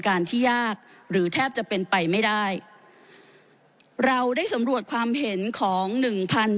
การที่ยากหรือแทบจะเป็นไปไม่ได้เราได้สำรวจความเห็นของหนึ่งพัน